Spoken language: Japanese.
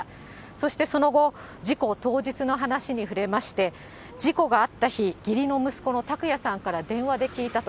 そしてその後、事故当日の話に触れまして、事故があった日、義理の息子の拓也さんから電話で聞いたと。